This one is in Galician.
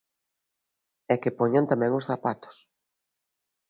E que poñan tamén os zapatos.